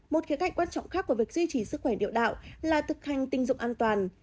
một khía cạnh quan trọng khác của việc duy trì sức khỏe niệu đạo là thực hành tình dục an toàn